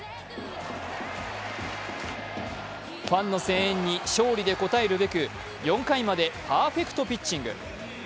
ファンの声援に勝利で応えるべく４回までパーフェクトピッチング。